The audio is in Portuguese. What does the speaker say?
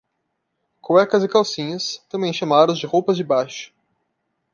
Cuecas e calcinhas, também chamados de roupas de baixo